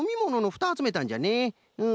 うん。